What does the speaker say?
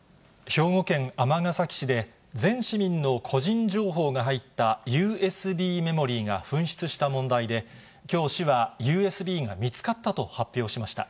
兵庫県尼崎市で、全市民の個人情報が入ったＵＳＢメモリーが紛失した問題で、きょう、市はＵＳＢが見つかったと発表しました。